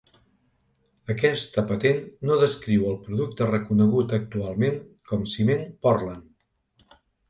Aquesta patent no descriu el producte reconegut actualment com ciment Portland.